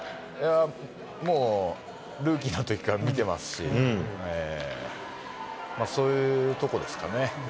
もう、ルーキーのときから見てますし、そういうところですかね。